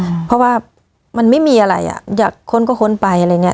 เพราะว่ามันไม่มีอะไรอ่ะอยากค้นก็ค้นไปอะไรอย่างเงี้